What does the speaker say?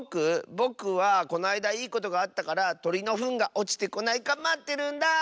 ぼくはこないだいいことがあったからとりのふんがおちてこないかまってるんだ！